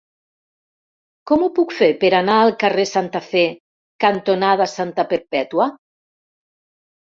Com ho puc fer per anar al carrer Santa Fe cantonada Santa Perpètua?